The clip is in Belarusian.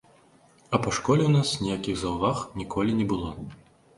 А па школе ў нас ніякіх заўваг ніколі не было.